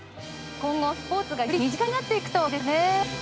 今後スポーツがより身近になっていくといいですね。